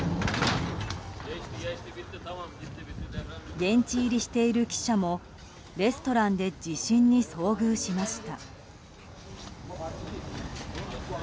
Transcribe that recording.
現地入りしている記者もレストランで地震に遭遇しました。